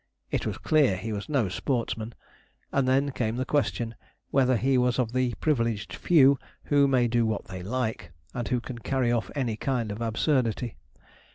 It was clear he was no sportsman; and then came the question, whether he was of the privileged few who may do what they like, and who can carry off any kind of absurdity.